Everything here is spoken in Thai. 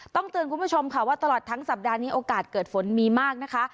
ต้องเตือนคุณผู้ชมค่ะว่าตลอดทั้งสัปดาห์นี้โอกาสเกิดฝนมีมากนะคะ